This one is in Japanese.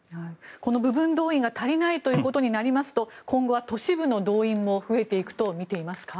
この部分動員が足りないということになりますと今後は都市部の動員も増えていくとみていますか？